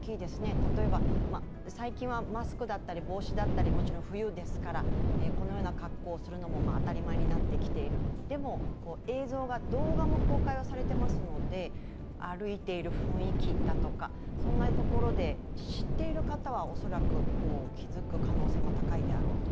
例えば、最近はマスクだったり帽子だったり、もちろん冬ですから、このような格好をするのも当たり前になってきている、でも、映像が動画も公開をされていますので、歩いている雰囲気だとか、そんなところで知っている方は恐らく気づく可能性も高いであろうと。